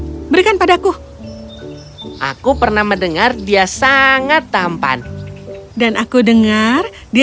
berikan padaku aku pernah mendengar dia sangat tampan dan aku dengar dia